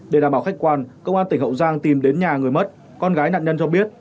để đảm bảo khách quan công an tỉnh hậu giang tìm đến nhà người mất con gái nạn nhân cho biết